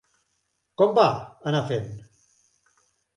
Com va? Anar fent.